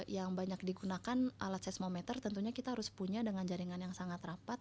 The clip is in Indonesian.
yang banyak digunakan alat seismometer tentunya kita harus punya dengan jaringan yang sangat rapat